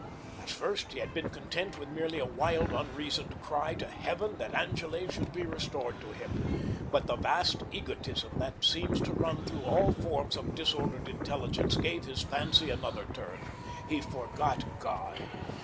At first, he had been content with merely a wild, unreasoned cry to Heaven that Angele should be restored to him, but the vast egotism that seems to run through all forms of disordered intelligence gave his fancy another turn. He forgot God.